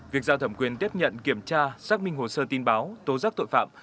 việc giao thẩm quyền tiếp nhận kiểm tra xác minh hồ sơ tin báo tố giác tội phạm